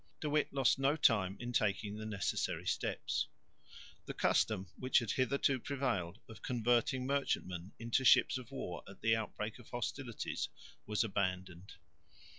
De Witt lost no time in taking the necessary steps. The custom which had hitherto prevailed of converting merchantmen into ships of war at the outbreak of hostilities was abandoned.